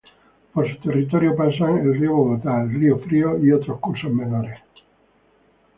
Por su territorio pasan el Río Bogotá, el Río Frío, y otros cursos menores.